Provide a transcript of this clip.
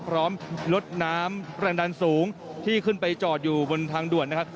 พร้อมลดน้ำแรงดันสูงที่ขึ้นไปจอดอยู่บนทางด่วนนะครับ